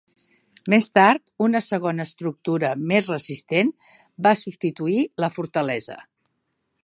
Més tard, una segona estructura més resistent va substituir la fortalesa.